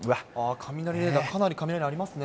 雷レーダー、かなり雷ありますね。